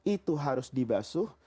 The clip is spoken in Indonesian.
itu harus dibasuh